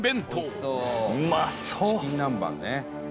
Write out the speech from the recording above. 伊達：チキン南蛮ね。